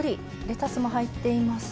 レタスも入っています。